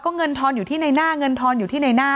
เงินทอนอยู่ที่ในหน้าเงินทอนอยู่ที่ในหน้า